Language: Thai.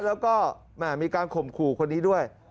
แล้วก็มีการข่มขู่คนนี้ด้วย